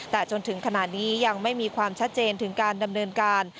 แต่จนถึงขณะนี้ยังไม่มีความชัดเจนถึงการดำเนินการ